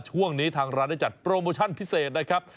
ช่วงนี้ทางร้านได้จัดโปรโมชั่นพิเศษนะครับ